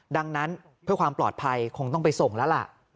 ดังนั้นเพื่อความปลอดภัยคงต้องไปส่งแล้วล่ะ